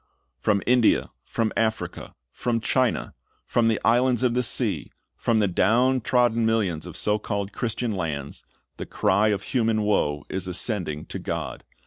"^ From India, from Africa, from China, from the islands of the sea, from the down trodden millions of so called Christian lands, the cry of human woe is ascending to God.